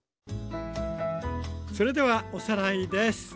それではおさらいです。